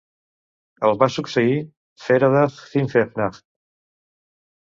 El va succeir Feradach Finnfechtnach.